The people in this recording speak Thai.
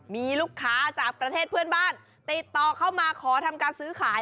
มีลูกค้าจากประเทศเพื่อนบ้านติดต่อเข้ามาขอทำการซื้อขาย